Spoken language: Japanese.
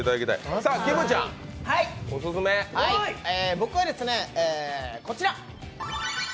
僕はこちら。